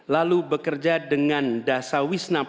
lalu bekerja dengan dasar wisna